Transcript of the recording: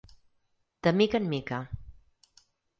De mica en mica.